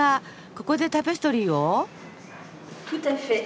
ここでタペストリーを？